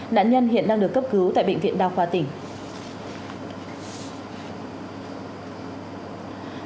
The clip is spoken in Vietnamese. nạn nhân hiện đang được cấp cứu tại bệnh viện đa khoa tỉnh